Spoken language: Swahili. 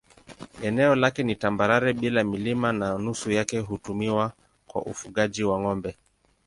Eneo lake ni tambarare bila milima na nusu yake hutumiwa kwa ufugaji wa ng'ombe.